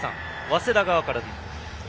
早稲田側から見て。